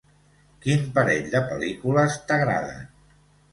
Quin parell de pel·lícules t'agraden?